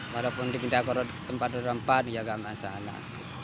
walaupun di pindah ke tempat roda empat ya enggak masalah